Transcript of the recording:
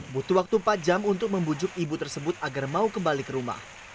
butuh waktu empat jam untuk membujuk ibu tersebut agar mau kembali ke rumah